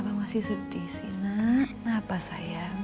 terima kasih abang lampunya panggilan saya